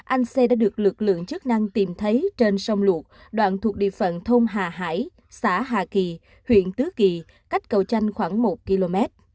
anh xê đã được lực lượng chức năng tìm thấy trên sông lụt đoạn thuộc địa phận thông hà hải xã hà kỳ huyện tứ kỳ cách cầu tranh khoảng một km